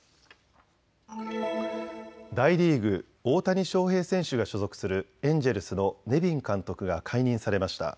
大リーグ、大谷翔平選手が所属するエンジェルスのネビン監督が解任されました。